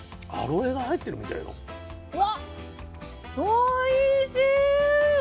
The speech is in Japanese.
おいしい！